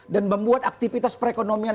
dan membuat aktivitas perekonomian